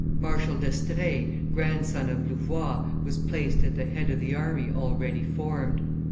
Marshal d'Estrees, grandson of Louvois, was placed at the head of the army already formed.